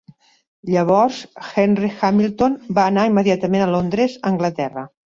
Llavors, Henry Hamilton va anar immediatament a Londres, Anglaterra.